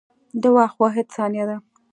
د وخت واحد ثانیه ده.